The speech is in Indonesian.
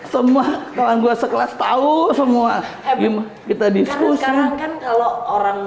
semuanya emang gue sekelas tahu semua team kita diskusi girangan kalau orang